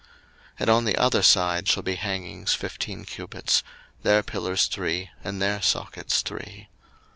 02:027:015 And on the other side shall be hangings fifteen cubits: their pillars three, and their sockets three.